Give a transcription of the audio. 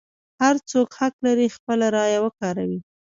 هر څوک حق لري خپله رایه وکاروي.